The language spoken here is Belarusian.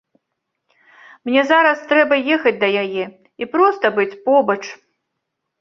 Мне зараз трэба ехаць да яе і проста быць побач.